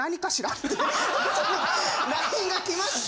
ってＬＩＮＥが来まして。